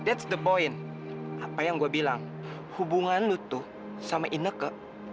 itu poinnya apa yang gue bilang hubungan lu tuh sama ineke